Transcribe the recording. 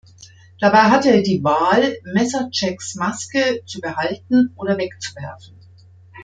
Dabei hat er die Wahl, Messer-Jacks Maske zu behalten oder wegzuwerfen.